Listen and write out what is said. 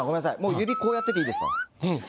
指こうやってていいですから。